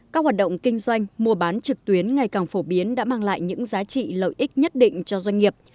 các hoạt động kinh doanh mua bán trực tuyến ngày càng phổ biến đã mang lại những giá trị lợi ích nhất định cho doanh nghiệp